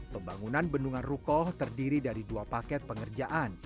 pembangunan bendungan rukoh terdiri dari dua paket pengerjaan